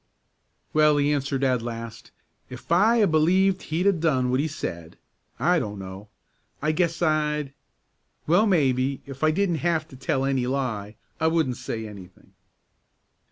"Well," he answered, at last, "if I'd 'a' b'lieved he'd 'a' done what he said I don't know I guess I'd well, maybe, if I didn't have to tell any lie, I just wouldn't say any thing."